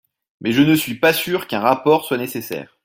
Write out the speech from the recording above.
Mais je ne suis pas sûr qu’un rapport soit nécessaire.